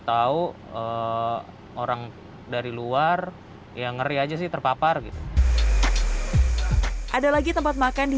tahu orang dari luar yang ngeri aja sih terpapar gitu ada lagi tempat makan di